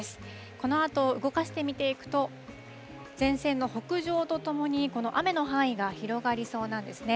このあと、動かして見ていくと、前線の北上とともに、この雨の範囲が広がりそうなんですね。